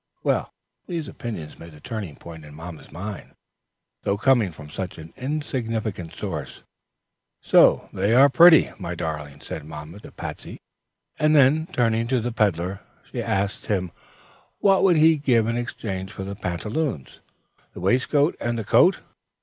These opinions made the turning point in mamma's mind, though coming from such insignificant sources. "So they are pretty, my darling," said mamma to Patsey; and then, turning to the peddler, she asked him what he would give in exchange for the pantaloons, the waistcoat and the coat.